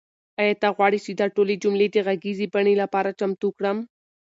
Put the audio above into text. آیا ته غواړې چې دا ټولې جملې د غږیزې بڼې لپاره چمتو کړم؟